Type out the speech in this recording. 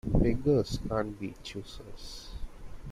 Beggars can't be choosers.